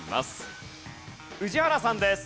宇治原さんです。